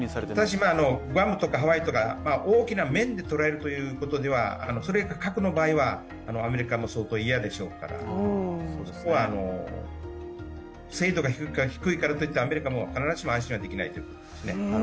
グアムとかハワイとか、大きな面で捉えるという点では核の場合はアメリカも相当嫌でしょうから、そこは精度が低いからといって、アメリカも必ずしも安心はできないですね。